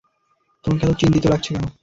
তোমাকে এত চিন্তিত লাগছে কেন?